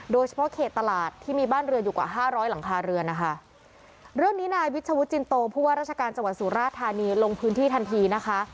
โดยเฉพาะเขตตลาดที่มีบ้านเรือนอยู่กว่าห้าร้อยหลังคาเรือนนะคะเรื่องนี้นายวิชวุฒจินโตผู้ว่าราชการจังหวัดสุราธานีลงพื้นที่ทันทีนะคะ